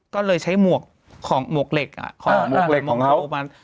ก็เลยใช้หมวกเหล็กของมองโกมา